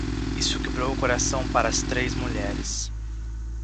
Isso quebrou o coração para as três mulheres.